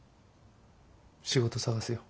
仕事探すよ。